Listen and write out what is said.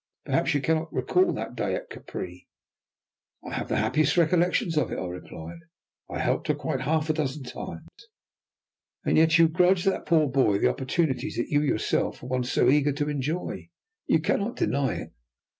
Perhaps you cannot recall that day at Capri?" "I have the happiest recollections of it," I replied. "I helped her quite half a dozen times." "And yet you grudge that poor boy the opportunities that you yourself were once so eager to enjoy. You cannot deny it."